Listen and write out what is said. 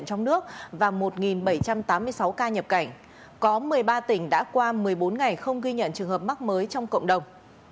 có một mươi ba tỉnh đã qua một mươi bốn ngày không ghi nhận trường hợp mắc mới trong cộng đồng